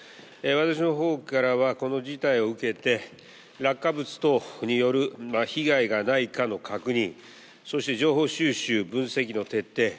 私のほうからはこの事態を受けて、落下物等による被害がないかの確認、そして情報収集・分析の徹底。